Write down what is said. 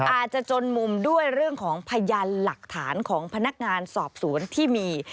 อาจจะจนมุมด้วยเรื่องของพยานหลักฐานของพนักงานสอบสวนที่มี